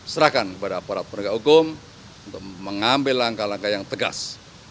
serahkan kepada aparat penegak hukum untuk mengambil langkah langkah yang tegas